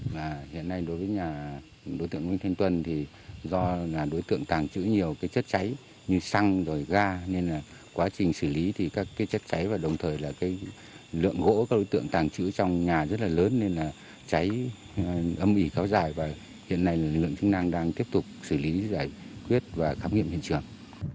và hiện nay đối với nhà đối tượng nguyễn văn thuận thì do là đối tượng tàng trữ nhiều cái chất cháy như xăng rồi ga nên là quá trình xử lý thì các cái chất cháy và đồng thời là cái lượng hỗ các đối tượng tàng trữ trong nhà rất là lớn nên là cháy ấm ỉ kháu dài và hiện nay lực lượng chức năng đang tiếp tục xử lý giải quyết và khám nghiệm hiện trường